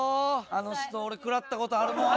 あの人俺食らった事あるもん。